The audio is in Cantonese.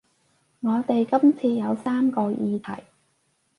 我哋今次有三個議題